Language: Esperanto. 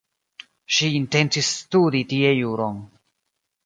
Ŝi intencis studi tie juron.